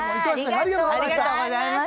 ありがとうございます！